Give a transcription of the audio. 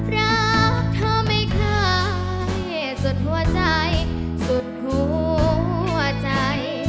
รักเธอไม่ค่อยสุดหัวใจ